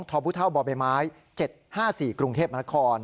๒ทบุเท่าบม๗๕๔กรุงเทพมค